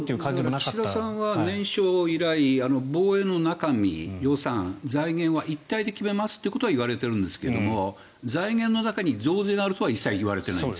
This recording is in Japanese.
岸田さんは年初以来防衛の中身予算、財源は一体で決めますということは言われているんですが財源の中に増税があるとは一切言われてないんです。